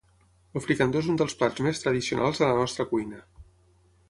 El fricandó és un dels plats més tradicionals de la nostra cuina.